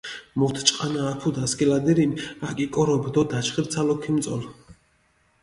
მუთ ჭყანა აფუდჷ ასქილადირინ, აკიკოროფჷ დო დაჩხირცალო ქიმწოლჷ.